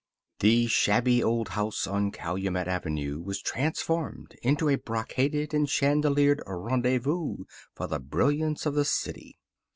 The shabby old house on Calumet Avenue was transformed into a brocaded and chandeliered rendezvous for the brilliance of the city.